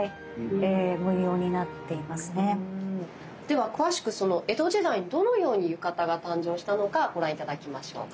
では詳しく江戸時代にどのように浴衣が誕生したのかご覧頂きましょう。